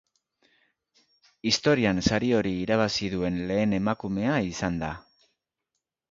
Historian sari hori irabazi duen lehen emakumea izan da.